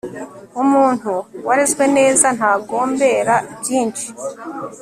umuntu warezwe neza ntagombera byinshi